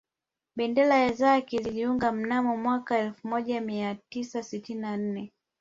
Bendera zake ziliungana mnamo mwaka elfu moja mia tisa sitini na nne